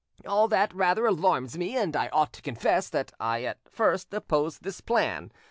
All that rather alarms me, and I ought to confess that I at first opposed this plan.